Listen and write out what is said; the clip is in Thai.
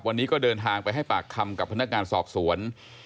วันนี้ก็เดินทางไปให้ปากคำกับพนักงานสอบสวน